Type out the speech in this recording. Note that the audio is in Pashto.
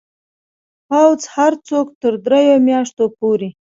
پوځ هر څوک تر دریو میاشتو پورې